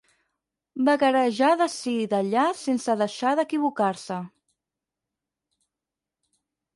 Vagarejar d'ací d'allà sense deixar d'equivocar-se.